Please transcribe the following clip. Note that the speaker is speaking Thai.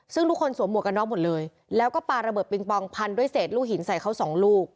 ซึ่งทุกคนสวมหวกกันน็อกหมดเลยแล้วก็ปลาระเบิดปิงปองพันด้วยเศษลูกหินใส่เขาสองลูก